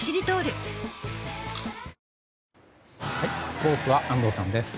スポーツは安藤さんです。